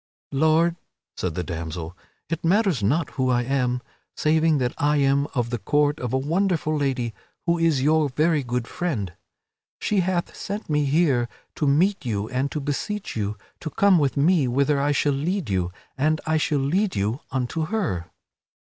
"Lord," said the damsel, "it matters not who I am, saving that I am of the court of a wonderful lady who is your very good friend. She hath sent me here to meet you and to beseech you to come with me whither I shall lead you, and I shall lead you unto her."